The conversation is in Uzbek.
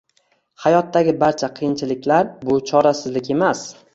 Hayotdagi barcha qiyinchiliklar - bu chorasizlik emas.